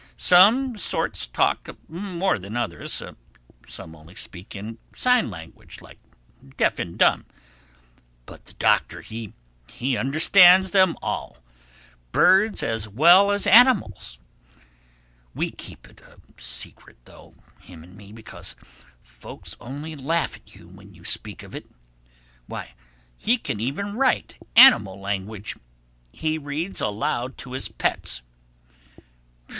Some sorts talk more than others; some only speak in sign language, like deaf and dumb. But the Doctor, he understands them all—birds as well as animals. We keep it a secret though, him and me, because folks only laugh at you when you speak of it. Why, he can even write animal language. He reads aloud to his pets.